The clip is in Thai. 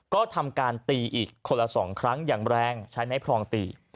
ก็ทำการตีอีกคนละ๒ครั้งอย่างแรงใช้ไม้พรองตี